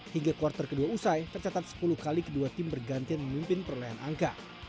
hingga kuartal kedua usai tercatat sepuluh kali kedua tim bergantian memimpin perolehan angka